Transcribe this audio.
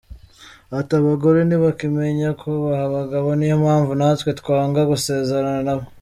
Ati “Abagore ntibakimenya kubaha abagabo niyo mpamvu natwe twanga gusezerana nabo.